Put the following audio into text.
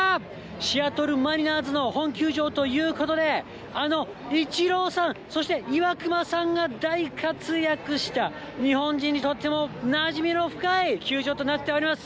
シアトルマリナーズの本球場ということで、あのイチローさん、そして岩隈さんが大活躍した日本人にとってもなじみの深い球場となっております。